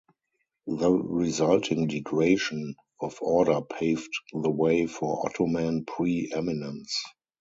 The resulting degradation of order paved the way for Ottoman pre-eminence.